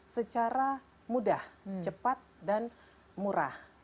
secara mudah cepat dan murah